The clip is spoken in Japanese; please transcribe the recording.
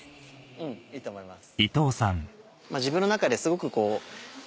うんいいと思います。